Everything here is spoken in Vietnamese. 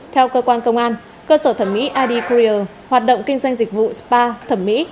theo cơ quan công an cơ sở thẩm mỹ id courier hoạt động kinh doanh dịch vụ spa thẩm mỹ